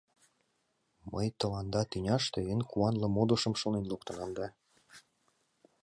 — Мый тыланда тӱняште эн куанле модышым шонен луктынам да...